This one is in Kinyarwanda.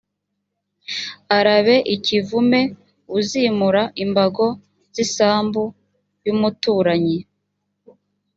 arabe ikivume uzimura imbago z’isambu y’umuturanyi